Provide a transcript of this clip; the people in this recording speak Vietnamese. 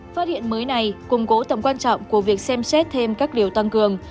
phát hiện mới này củng cố tầm quan trọng của việc xem xét thêm các điều tăng cường